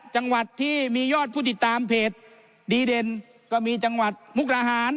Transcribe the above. จังหวัดที่มียอดผู้ติดตามเพจดีเด่นก็มีจังหวัดมุกดาหาร